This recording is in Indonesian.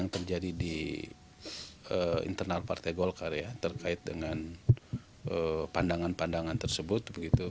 yang terjadi di internal partai golkar ya terkait dengan pandangan pandangan tersebut